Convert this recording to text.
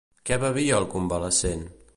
Què bevia el convalescent?